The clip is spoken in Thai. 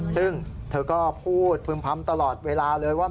ซึ่งเธอก็พูดพึ่มพำตลอดเวลาเลยว่า